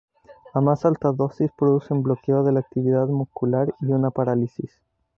A más altas dosis producen bloqueo de la actividad muscular y una parálisis.